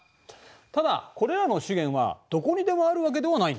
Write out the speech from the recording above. ただこれらの資源はどこにでもあるわけではないんだ。